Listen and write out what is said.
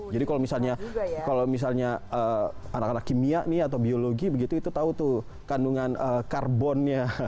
jadi kalau misalnya anak anak kimia nih atau biologi begitu itu tahu tuh kandungan karbonnya